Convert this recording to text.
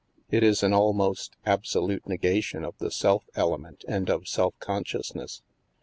It is an almost absolute negation of the self element and of self consciousness.